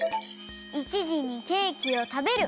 １じにケーキをたべる。